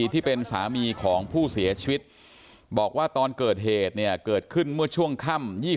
ที่เป็นสามีของผู้เสียชีวิตบอกว่าตอนเกิดเหตุเนี่ยเกิดขึ้นเมื่อช่วงค่ำ